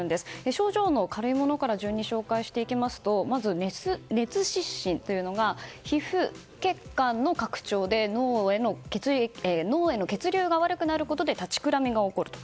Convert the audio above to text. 症状の軽いものから順に紹介していきますとまず熱失神というのが皮膚血管の拡張で脳への血流が悪くなることで立ちくらみが起こると。